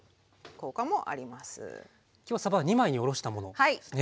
今日はさば二枚におろしたものですね。